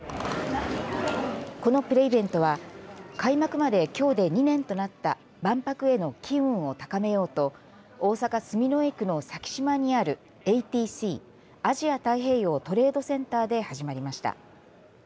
このプレイベントは開幕まできょうで２年となった万博への機運を高めようと大阪、住之江区の咲洲にあるＡＴＣアジア太平洋トレードセンターで始まりました。